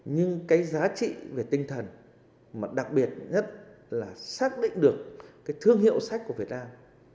nhưng cái giá trị về tinh thần mà đặc biệt nhất là xác định được cái thương hiệu sách của việt nam